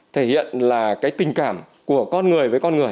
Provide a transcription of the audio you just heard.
thể hiện là cái tình cảm của con người với con người